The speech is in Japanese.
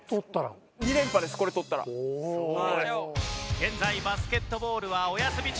現在バスケットボールはお休み中。